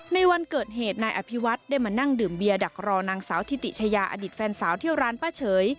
ในวันเกิดเหตุนายอภิวัฒน์ได้มานั่งดื่มเบียร์ดักรอนางสาวทิติชายาอดีตแฟนสาวเที่ยวร้านป้าเฉย